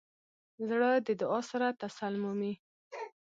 زړه د دعا سره تسل مومي.